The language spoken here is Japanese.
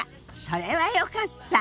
それはよかった。